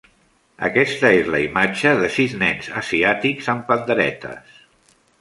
Aquesta és la imatge de sis nens asiàtics amb panderetes